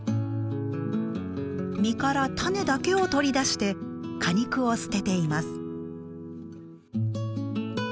実から種だけを取り出して果肉を捨てています。